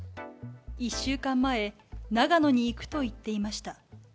１週間前、長野に行くと言っていました。